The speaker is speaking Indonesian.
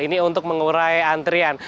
ini untuk mengurai antrian